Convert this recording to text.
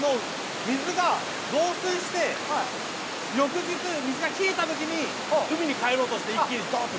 水が増水して、翌日、水が引いたときに海に帰ろうとして一気にドーンと。